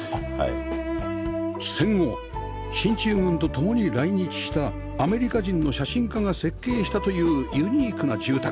戦後進駐軍と共に来日したアメリカ人の写真家が設計したというユニークな住宅